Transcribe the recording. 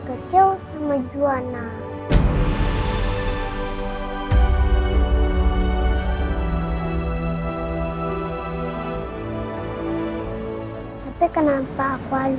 tidak sempat menemani rena dari kecil